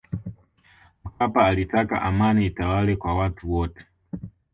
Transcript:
mkapa alitaka amani itawale kwa watu wote